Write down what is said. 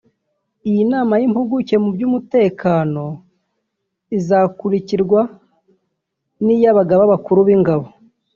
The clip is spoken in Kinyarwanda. Iyi nama y’impuguke mu by’umutekano izakurikirwa n’iy’abagaba bakuru b’ingabo